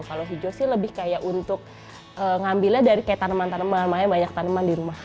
kalau hijau sih lebih kayak untuk ngambilnya dari kayak tanaman tanaman makanya banyak tanaman di rumah